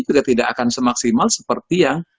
juga tidak akan semaksimal seperti yang